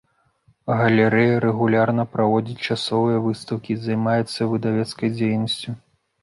Галерэя рэгулярна праводзіць часовыя выстаўкі, займаецца выдавецкай дзейнасцю.